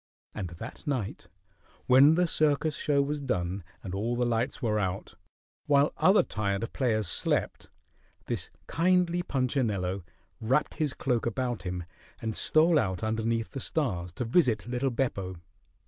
And that night, when the circus show was done and all the lights were out, while other tired players slept, this kindly Punchinello wrapped his cloak about him and stole out underneath the stars to visit little Beppo.